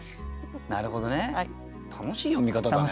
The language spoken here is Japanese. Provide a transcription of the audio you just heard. なるほどね楽しい読み方だね。